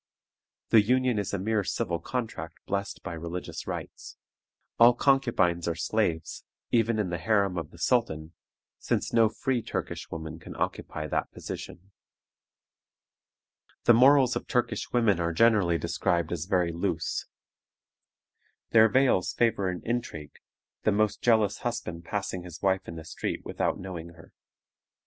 The union is a mere civil contract blessed by religious rites. All concubines are slaves, even in the harem of the sultan, since no free Turkish woman can occupy that position. The morals of Turkish women are generally described as very loose. Their veils favor an intrigue, the most jealous husband passing his wife in the street without knowing her.